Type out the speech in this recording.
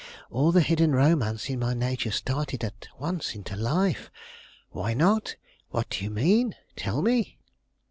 All the hidden romance in my nature started at once into life. "Why not? What do you mean? Tell me."